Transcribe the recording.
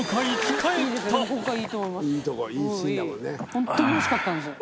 本当においしかったんですよ。